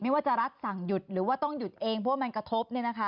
ว่าจะรัฐสั่งหยุดหรือว่าต้องหยุดเองเพราะว่ามันกระทบ